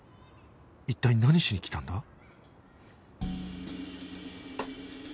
一体何しに来たんだ？